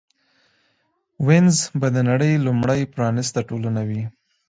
وینز به د نړۍ لومړۍ پرانېسته ټولنه وي